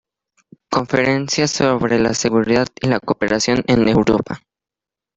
Conferencia sobre la Seguridad y la Cooperación en Europa